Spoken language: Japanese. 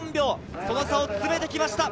その差を詰めてきました。